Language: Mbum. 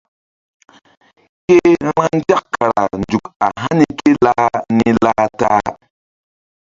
Ke vbanzak kara nzuk a hani ké lah ni lah ta-a.